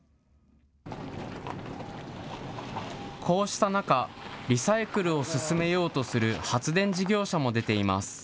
こうした中、リサイクルを進めようとする発電事業者も出ています。